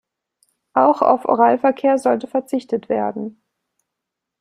Auch auf Oralverkehr sollte verzichtet werden.